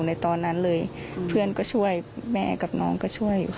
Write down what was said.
ในตอนนั้นเลยเพื่อนก็ช่วยแม่กับน้องก็ช่วยอยู่ค่ะ